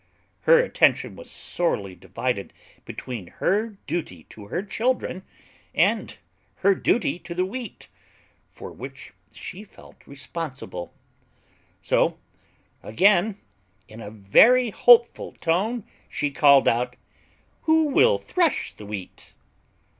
Her attention was sorely divided between her duty to her children and her duty to the Wheat, for which she felt responsible. So, again, in a very hopeful tone, she called out, "Who will thresh the Wheat?"